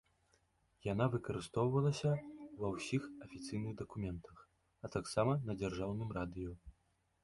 Яна выкарыстоўвалася ўва ўсіх афіцыйных дакументах, а таксама на дзяржаўным радыё.